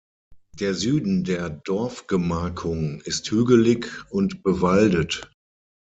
Der Süden der Dorfgemarkung ist hügelig und bewaldet.